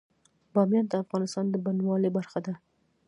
بامیان د افغانستان د بڼوالۍ برخه ده.